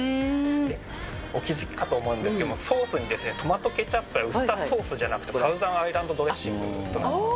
お気付きかと思うんですけど、ソースにトマトケチャップやウスターソースじゃなくて、サウザンアイランドドレッシングとなっております。